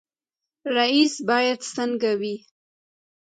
رئیس باید څنګه وي؟